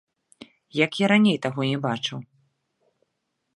Як я раней таго не бачыў?